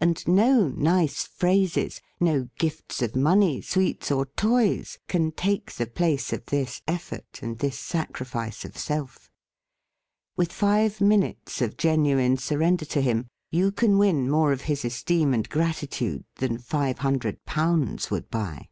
And no nice phrases, no gifts of money, sweets or toys, can take the place of this effort, and this sacrifice of self. With five minutes of genuine surrender to him, you can win more of his esteem and gratitude than five hun THE FEAST OF ST FRIEND dred pounds would buy.